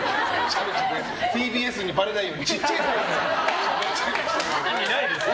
ＴＢＳにばれないようにちっちゃい声でね。